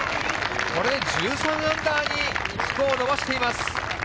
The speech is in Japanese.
これで１３アンダーにスコアを伸ばしています。